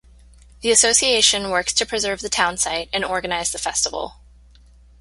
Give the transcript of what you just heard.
The association works to preserve the townsite and organize the festival.